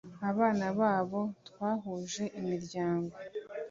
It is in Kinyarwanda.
Abana babo twahuje imiryango